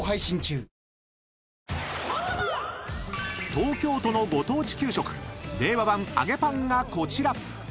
［東京都のご当地給食令和版揚げパンがこちら］